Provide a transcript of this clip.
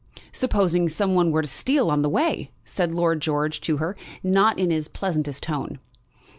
"Supposing somebody were to steal that on the way," said Lord George to her, not in his pleasantest tone.